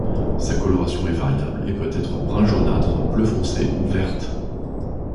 Sa coloration est variable et peut être brun-jaunâtre, bleu foncé ou verte.